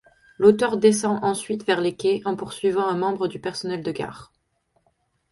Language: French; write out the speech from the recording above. L'auteur descend ensuite vers les quais en poursuivant un membre du personnel de gare.